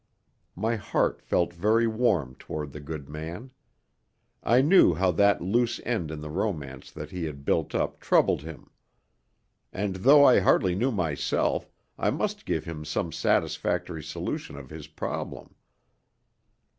My heart felt very warm toward the good man. I knew how that loose end in the romance that he had built up troubled him. And, though I hardly knew myself, I must give him some satisfactory solution of his problem.